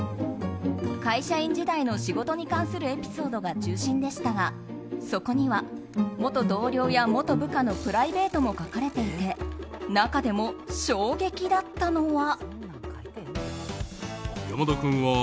会社員時代の仕事に関するエピソードが中心でしたがそこには元同僚や元部下のプライベートも書かれていて中でも衝撃だったのは。